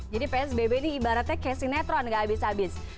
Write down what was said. jadi psbb ini ibaratnya kesinetron nggak habis habis